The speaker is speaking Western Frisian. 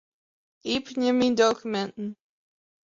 Iepenje Myn dokuminten.